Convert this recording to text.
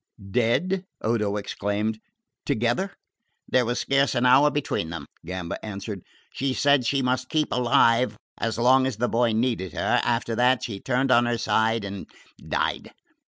"Dead?" Odo exclaimed. "Together?" "There was scarce an hour between them," Gamba answered. "She said she must keep alive as long as the boy needed her after that she turned on her side and died."